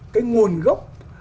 cái nguồn gốc